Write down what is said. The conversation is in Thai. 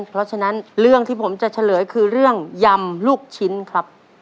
เพราะฉะนั้นเรื่องที่ผมจะเฉลยคือเรื่องยำลูกชิ้นครับ